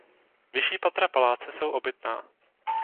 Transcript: Vyšší patra paláce jsou obytná.